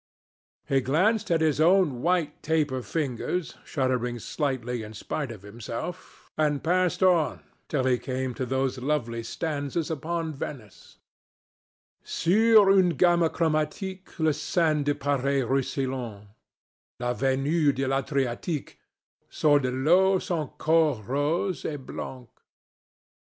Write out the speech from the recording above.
He glanced at his own white taper fingers, shuddering slightly in spite of himself, and passed on, till he came to those lovely stanzas upon Venice: Sur une gamme chromatique, Le sein de perles ruisselant, La Vénus de l'Adriatique Sort de l'eau son corps rose et blanc.